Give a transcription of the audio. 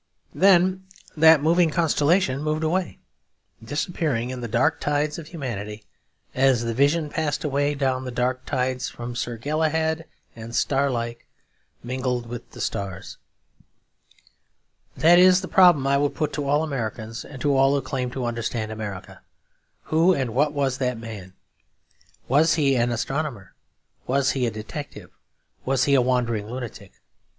Then that moving constellation moved away, disappearing in the dark tides of humanity, as the vision passed away down the dark tides from Sir Galahad and, starlike, mingled with the stars. That is the problem I would put to all Americans, and to all who claim to understand America. Who and what was that man? Was he an astronomer? Was he a detective? Was he a wandering lunatic?